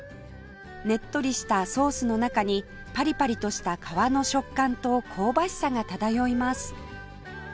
ねっとりしたソースの中にパリパリとした皮の食感と香ばしさが漂います